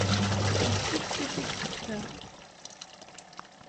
Yessefk ad t-id-ṭṭfeɣ.